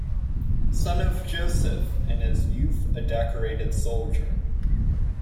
Son of Joseph, in his youth a decorated soldier.